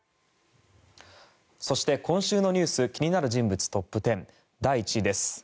そして、今週のニュース気になる人物トップ１０第１位です。